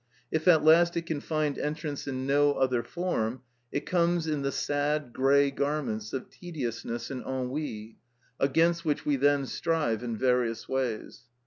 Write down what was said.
If at last it can find entrance in no other form, it comes in the sad, grey garments of tediousness and ennui, against which we then strive in various ways.